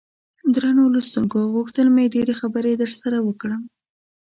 درنو لوستونکو غوښتل مې ډېرې خبرې درسره وکړم.